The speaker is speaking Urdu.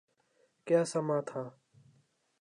کیا سماں تھا۔